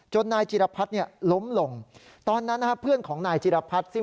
จนนายจีรพรรดิล้มลงตอนนั้นเพื่อนของนายจีรพรรดิ